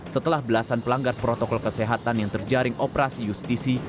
setelah belasan pelanggar protokol kesehatan yang terjaring operasi justisi